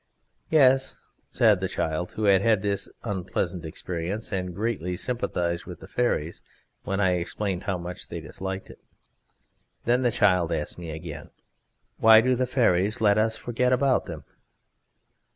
"Yes," said the child, who had had this unpleasant experience, and greatly sympathized with the fairies when I explained how much they disliked it. Then the child asked me again: "Why do the fairies let us forget about them?"